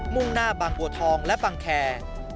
่งหน้าบางบัวทองและบังแคร์